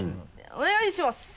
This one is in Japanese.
お願いします！